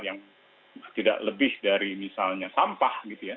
yang tidak lebih dari misalnya sampah gitu ya